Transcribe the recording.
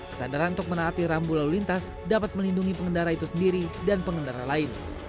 kesadaran untuk menaati rambu lalu lintas dapat melindungi pengendara itu sendiri dan pengendara lain